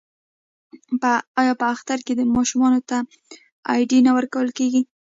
آیا په اختر کې ماشومانو ته ایډي نه ورکول کیږي؟